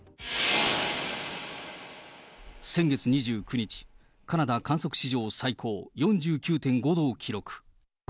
先月２９日、カナダ観測史上最高４９．５度を記録。